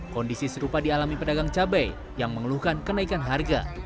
kondisi serupa dialami pedagang cabai yang mengeluhkan kenaikan harga